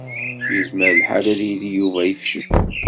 Yezmer lḥal ad yili Yuba yefcel.